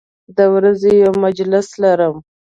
د ورځې یو مجلس لرم